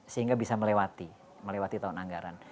sehingga bisa melewati melewati tahun anggaran